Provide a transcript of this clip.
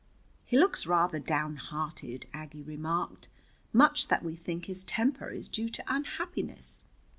"He looks rather downhearted," Aggie remarked. "Much that we think is temper is due to unhappiness."